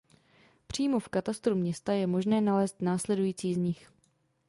Přímo v katastru města je možné nalézt následující z nich.